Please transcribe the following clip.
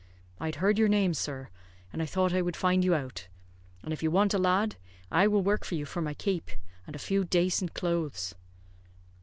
I had heard your name, sir, and I thought I would find you out; and if you want a lad, I will work for you for my kape, and a few dacent clothes."